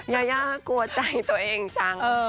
ยายากลัวใจตัวเองจัง